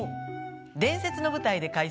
伝説の舞台で開催！